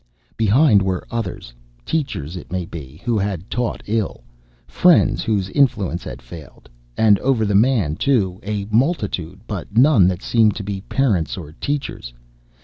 Behind were others, teachers, it may be, who had taught ill, friends whose influence had failed. And over the man, too a multitude, but none that seemed to be parents or teachers!